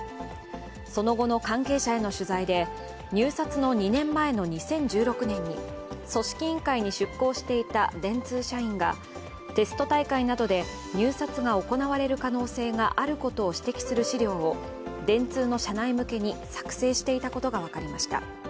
その後の関係者への取材で、入札の２年前の２０１６年に組織委員会に出向していた電通社員がテスト大会などで入札が行われる可能性があることを指摘する資料を電通の社内向けに作成していたことが分かりました。